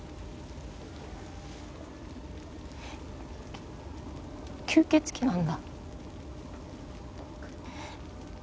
きゅ吸血鬼なんだ。